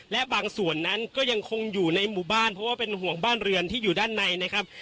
และบางส่วนนั้นก็ยังคงอยู่ในหมู่บ้านเพราะว่าเป็นห่วงบ้านเรือนที่อยู่ด้านในนะครับ